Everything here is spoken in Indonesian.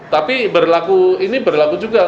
tapi ini berlaku juga untuk yang korporasi swasta